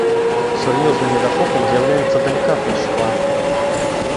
Сур'ёзным недахопам з'яўляецца далікатнасць шкла.